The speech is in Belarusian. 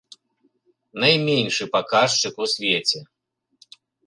Найменшы паказчык у свеце.